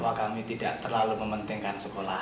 jadi saya tidak bisa mengambil alih sekolah